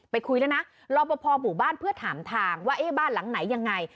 คุยแล้วนะรอปภหมู่บ้านเพื่อถามทางว่าเอ๊ะบ้านหลังไหนยังไง